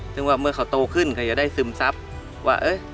ซึ่งว่าเมื่อเขาโตขึ้นเขาจะได้ซึมซับว่า